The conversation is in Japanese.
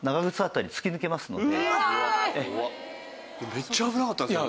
めっちゃ危なかったんですね。